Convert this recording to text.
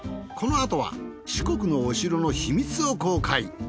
このあとは四国のお城の秘密を公開。